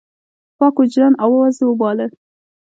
پاک وجدان آواز وباله.